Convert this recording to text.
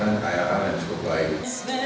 dan kayaan yang cukup baik